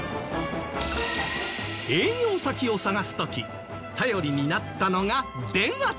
営業先を探す時頼りになったのが電話帳。